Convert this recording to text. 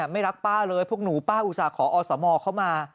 ไม่รักป้าเลยพวกหนูป้าอุตส่าห์ขออสมเข้ามา